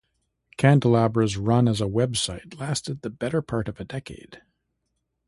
Candelabra's run as a website lasted the better part of a decade.